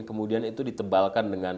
kemudian itu ditebalkan dengan